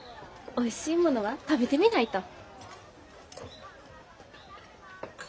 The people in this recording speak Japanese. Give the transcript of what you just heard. おいしいものは食べてみないと。